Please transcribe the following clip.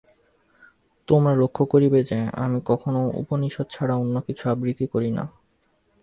তোমরা লক্ষ্য করিবে যে, আমি কখনও উপনিষদ ছাড়া অন্য কিছু আবৃত্তি করি না।